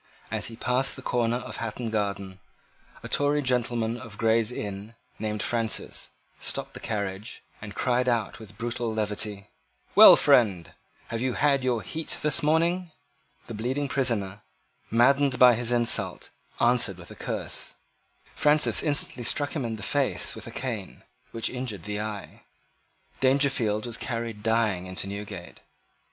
As he passed the corner of Hatton Garden, a Tory gentleman of Gray's Inn, named Francis, stopped the carriage, and cried out with brutal levity, "Well, friend, have you had your heat this morning?" The bleeding prisoner, maddened by this insult, answered with a curse. Francis instantly struck him in the face with a cane which injured the eye. Dangerfield was carried dying into Newgate.